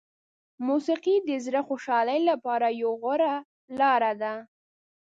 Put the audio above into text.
موسیقي د زړه خوشحالي لپاره یوه غوره لاره ده.